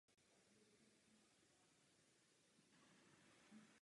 Všechny farní okrsky používají své znaky.